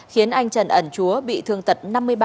khiến anh trần ẩn chúa bị thương tật năm mươi ba